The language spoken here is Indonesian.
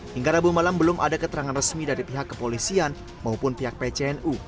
hingga rabu malam belum ada keterangan resmi dari pihak kepolisian maupun pihak pcnu